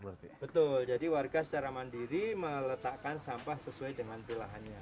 betul jadi warga secara mandiri meletakkan sampah sesuai dengan pilihannya